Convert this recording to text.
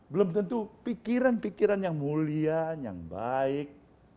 belum tentu pikiran pikiran yang mulia yang baik